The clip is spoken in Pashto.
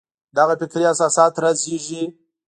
دغه فکري اساسات رازېږي.